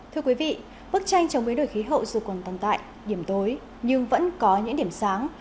thưa quý vị bức tranh chống biến đổi khí hậu dù còn tồn tại điểm tối nhưng vẫn có những điểm sáng